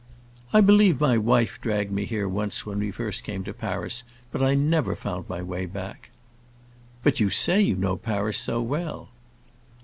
"I believe my wife dragged me here once when we first came to Paris, but I never found my way back." "But you say you know Paris so well!"